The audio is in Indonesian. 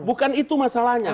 bukan itu masalahnya